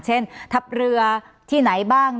เช่นทัพเรือที่ไหนบ้าง